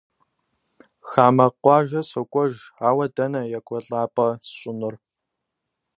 Хамэ къуажэ сокӏуэж, ауэ дэнэ екӏуэлӏапӏэ сщӏынур?